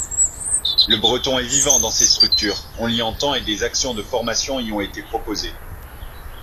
Le breton est vivant dans ces structures, on l’y entend et des actions de formation y ont été proposées.